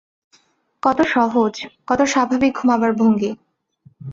কত সহজ, কত স্বাভাবিক ঘুমাবার ভঙ্গি।